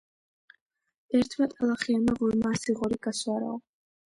ერთმა ტალახიანმა ღორმა ასი ღორი გასვარაო.